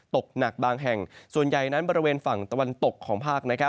ตกหนักบางแห่งส่วนใหญ่นั้นบริเวณฝั่งตะวันตกของภาค